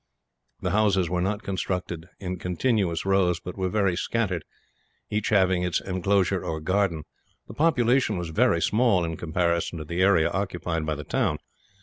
The houses were not constructed in continuous rows, but were very scattered, each house having its inclosure or garden. The population was very small, in comparison to the area occupied by the town.